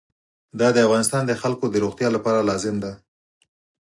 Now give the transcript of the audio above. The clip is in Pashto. دا د افغانستان د خلکو د روغتیا لپاره لازم دی.